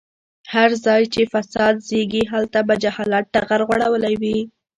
هر ځای چې فساد زيږي هلته به جهالت ټغر غوړولی وي.